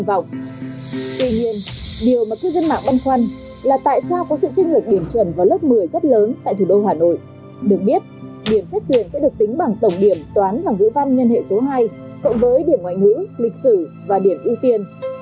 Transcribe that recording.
với điểm ngoại ngữ lịch sử và điểm ưu tiên